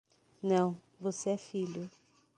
Não, você é filho.